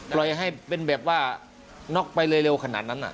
ปล่อยให้เป็นแบบว่าน็อกไปเร็วขนาดนั้น